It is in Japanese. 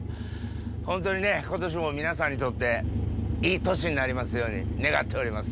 ほんとにね今年も皆さんにとっていい年になりますように願っております。